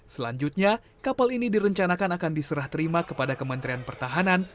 selanjutnya kapal ini direncanakan akan diserah terima kepada kementerian pertahanan